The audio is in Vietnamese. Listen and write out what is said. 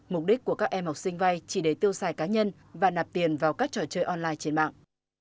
mục đích của các em học sinh vay chỉ để tiêu xài cá nhân và nạp tiền vào các trò chơi online trên mạng